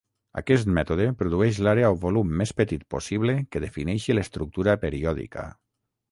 Aquest mètode produeix l'àrea o volum més petit possible que defineixi l'estructura periòdica.